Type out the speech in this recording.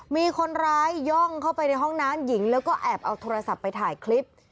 มีคนร้ายย่องเข้าไปในห้องน้ำหญิงแล้วก็แอบเอาโทรศัพท์ไปถ่ายคลิป